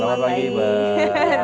selamat pagi mbak